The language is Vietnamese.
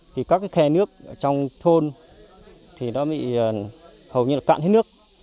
thì các khe nước trong thôn bị hầu như cạn hết nước